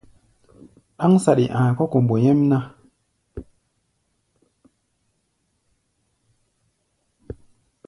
Ɗáŋ saɗi a̧a̧ kɔ̧́ kombo nyɛ́mná.